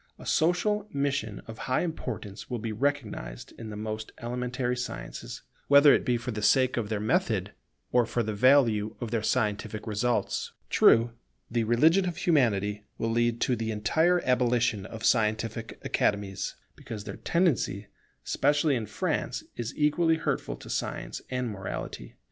A social mission of high importance will be recognized in the most elementary sciences, whether it be for the sake of their method or for the value of their scientific results. True, the religion of Humanity will lead to the entire abolition of scientific Academies, because their tendency, especially in France, is equally hurtful to science and morality.